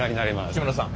木村さん。